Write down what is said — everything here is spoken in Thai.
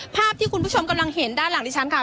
ภาพที่คุณผู้ชมกำลังเห็นด้านหลังดิฉันค่ะ